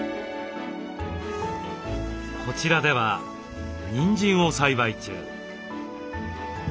こちらではにんじんを栽培中。